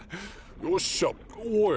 よっしゃおい